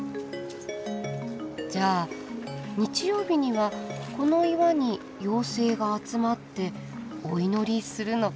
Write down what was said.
じゃあ日曜日にはこの岩に妖精が集まってお祈りするのかな。